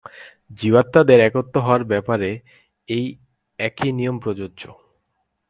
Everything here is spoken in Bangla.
জীবাত্মাদের একত্র হওয়ার ব্যাপারেও এই একই নিয়ম প্রযোজ্য।